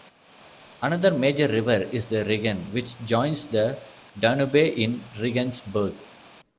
Another major river is the Regen which joins the Danube in Regensburg.